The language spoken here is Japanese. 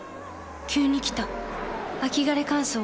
急に来た秋枯れ乾燥。